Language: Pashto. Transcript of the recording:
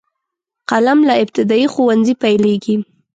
قلم له ابتدايي ښوونځي پیلیږي.